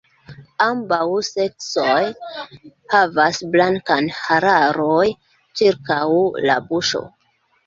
Ambaŭ seksoj havas blankan hararon ĉirkaŭ la buŝo.